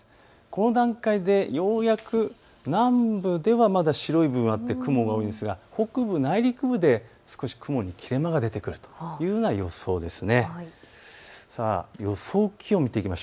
この段階でようやく南部ではまだ白い部分があって雲が多いんですが北部、内陸部で少し雲に切れ間が出てくるというふうな予想です。